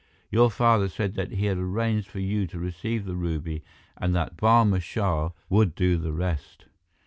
Your father said that he had arranged for you to receive the ruby and that Barma Shah would do the rest."